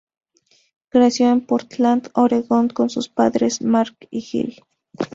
Creció en Portland, Oregon con sus padres Mark y Jill.